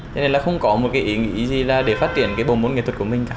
cho nên là không có một cái ý nghĩ gì là để phát triển cái bộ môn nghệ thuật của mình cả